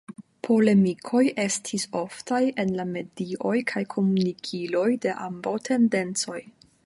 Polemikoj estis oftaj en la medioj kaj komunikiloj de ambaŭ tendencoj.